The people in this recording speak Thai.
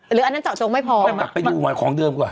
หรืออันนั้นเจาะโจงไม่พอต้องกลับไปดูของเดิมกว่า